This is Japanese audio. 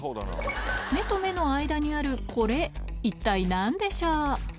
目と目の間にあるこれ、一体なんでしょう？